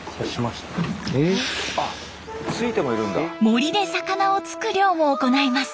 モリで魚を突く漁も行います。